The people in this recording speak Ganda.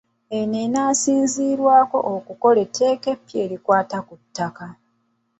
Eno enaasinzirwako okukola etteeka eppya erikwata ku ttaka.